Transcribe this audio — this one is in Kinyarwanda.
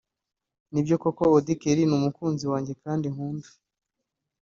Nibyo koko Auddy Kelly ni umukunzi wanjye kandi nkunda